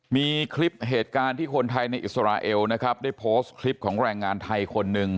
มีคลิปเหตุการณ์ที่คนไทยในอิสราเอลนะครับได้โพสต์คลิปของแรงงานไทยคนหนึ่ง